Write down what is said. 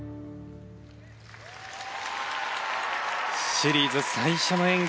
シリーズ最初の演技。